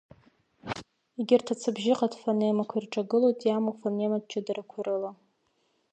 Егьырҭ ацыбжьыҟатә фонемақәа ирҿагылоит иамоу афонематә ҷыдарақәа рыла…